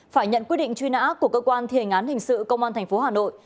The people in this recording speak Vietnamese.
phải nhận quy định truy nã của cơ quan thi hình án hình sự công an thành phố hà nội